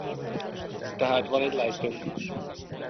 Tehát van egy lejtőnk.